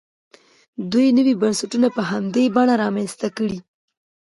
دوی نوي بنسټونه په همدې بڼه رامنځته کړل.